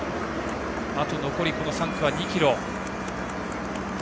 あと残り３区は２ｋｍ。